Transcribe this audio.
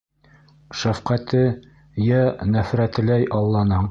Шәфҡәте йә нәфрәтеләй Алланың.